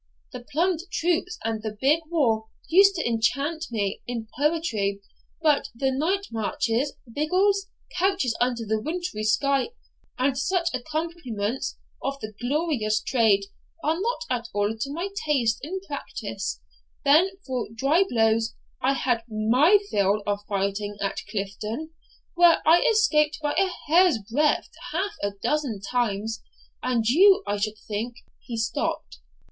The plumed troops and the big war used to enchant me in poetry, but the night marches, vigils, couches under the wintry sky, and such accompaniments of the glorious trade, are not at all to my taste in practice; then for dry blows, I had MY fill of fighting at Clifton, where I escaped by a hair's breadth half a dozen times; and you, I should think ' He stopped.